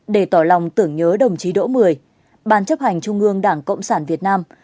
để tỏ lòng tưởng nhớ đồng chí đỗ mười ban chấp hành trung ương đảng cộng sản việt nam